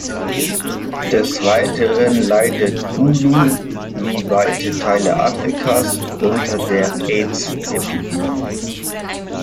Des Weiteren leidet Gulu, wie weite Teile Afrikas, unter der Aids-Epidemie.